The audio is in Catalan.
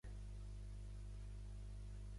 És membre del DuPage Library System.